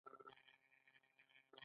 د کاسني عرق د ینې د تودوخې لپاره وکاروئ